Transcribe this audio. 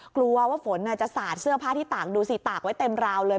กลัวว่าฝนจะสาดเสื้อผ้าที่ตากดูสิตากไว้เต็มราวเลย